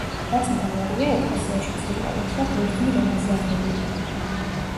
რაც მთავარია ეკლესიაში წირვა-ლოცვა ბერძნულ ენაზე აღევლინებოდა.